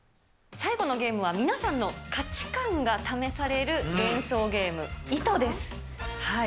最後のゲームは、皆さんの価値観が試される連想ゲーム、イトです。